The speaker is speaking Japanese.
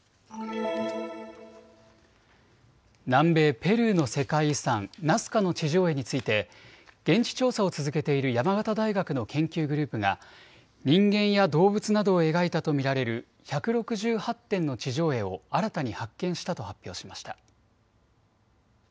南米ペルーの世界遺産、ナスカの地上絵について現地調査を続けている山形大学の研究グループが人間や動物などを描いたと見られる１６８点の地上絵を新たに発見したと発表しました。